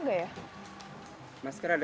mas jualan masker nggak ya